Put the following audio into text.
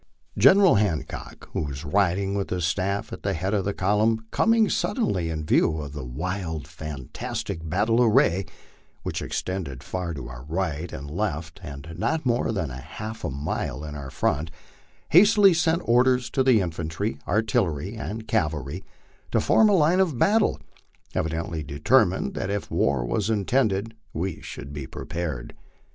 General Han cock, who was riding with his staff at the head of the column, coming suddenly in view of the wild fantastic battle array, which extended far to our right and left and not more than half a mile in our front, hastily sent orders to the infan try, artillery, and cavalry to form line of battle, evidently determined that if war was intended we should be prepared.